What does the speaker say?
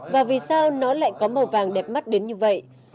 và vì sao nó lại có màu vàng đẹp mắt đến như vậy